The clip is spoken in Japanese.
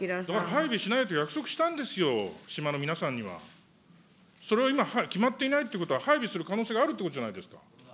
配備しないと約束したんですよ、島の皆さんには。それを今、決まっていないということは、配備する可能性があるっていうことじゃないですか。